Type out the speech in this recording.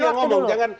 dekat waktu dulu